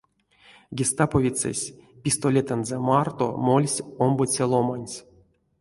Гестаповецэсь пистолетэнзэ марто мольсь омбоце ломаньс.